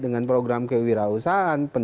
dengan program kewirausahaan